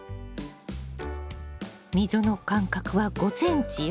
溝の間隔は５ｃｍよ。